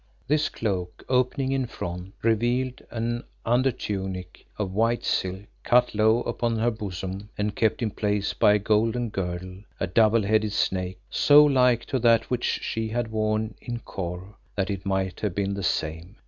This cloak, opening in front, revealed an undertunic of white silk cut low upon her bosom and kept in place by a golden girdle, a double headed snake, so like to that which She had worn in Kôr that it might have been the same.